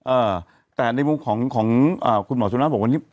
เอ่อแต่ในมุมของของอ่าคุณหมอสุน่าบอกวันนี้